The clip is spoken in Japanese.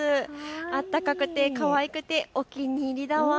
暖かくてかわいくてお気に入りだワン！